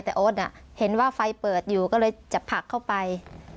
แต่โอ๊ตเห็นว่าไฟเปิดอยู่ก็เลยจะผลักเข้าไป